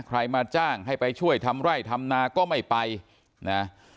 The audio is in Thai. มาจ้างให้ไปช่วยทำไร่ทำนาก็ไม่ไปนะ